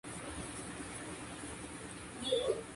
Él va y comienza una nueva vida allí.